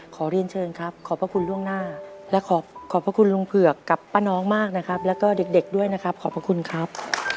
ขอเรียนเชิญครับขอบพระคุณล่วงหน้าและขอขอบพระคุณลุงเผือกกับป้าน้องมากนะครับแล้วก็เด็กด้วยนะครับขอบพระคุณครับ